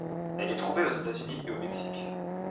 Elle est trouvée aux États-Unis et au Mexique.